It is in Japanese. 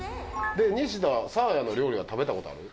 ニシダはサーヤの料理は食べたことある？